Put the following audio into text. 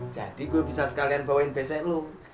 jadi gue bisa sekalian bawain besek lo